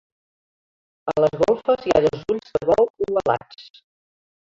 A les golfes hi ha dos ulls de bou ovalats.